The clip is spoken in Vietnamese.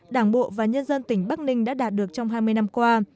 đảng bộ và nhân dân tỉnh bắc ninh đã đạt được trong hai mươi năm qua